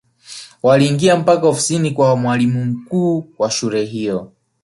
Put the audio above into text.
waliingia mpaka ofisini kwa mwalimu mkuu wa shule hiyo